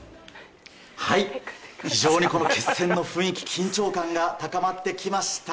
非常に決戦の雰囲気緊張感が高まってまいりました。